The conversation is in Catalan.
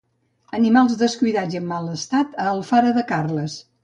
Animals descuidats i en mal estat a Alfara de Carles